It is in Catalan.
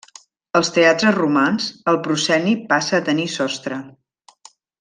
Als teatres romans, el prosceni passa a tenir sostre.